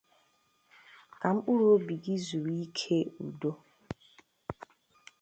ka mkpụrụ obi gị zùrú ike udo